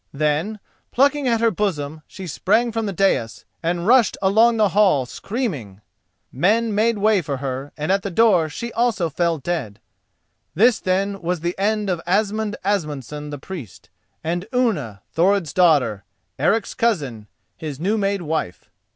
Then, plucking at her bosom she sprang from the dais and rushed along the hall, screaming. Men made way for her, and at the door she also fell dead. This then was the end of Asmund Asmundson the Priest, and Unna, Thorod's daughter, Eric's cousin, his new made wife.